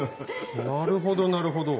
なるほどなるほど。